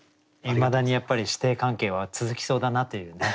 いまだにやっぱり師弟関係は続きそうだなというね。